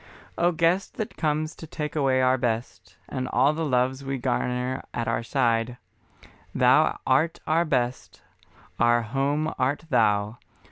O Guest that comes to take away our best, And all the loves we garner at our side, Thou art our Best, our Home art Thou.